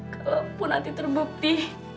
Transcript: kalaupun nanti terbukti